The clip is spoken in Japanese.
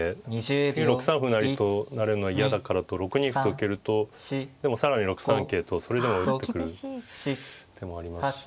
次６三歩成と成るのは嫌だからと６二歩と受けるとでも更に６三桂とそれでも打ってくる手もありますし。